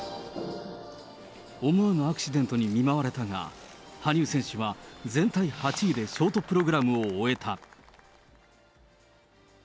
思わぬアクシデントに見舞われたが、羽生選手は全体８位でショートプログラムを終えた。